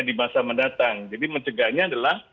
di masa mendatang jadi mencegahnya adalah